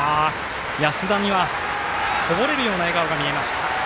安田にはこぼれるような笑顔が見えました。